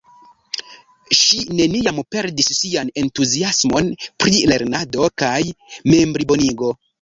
Ŝi neniam perdis sian entuziasmon pri lernado kaj memplibonigo.